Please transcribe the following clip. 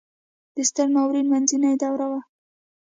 د ستر ناورین منځنۍ دوره وه.